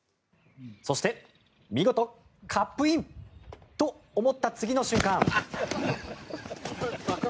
そして見事、カップイン。と思った次の瞬間。